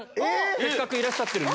せっかくいらっしゃってる。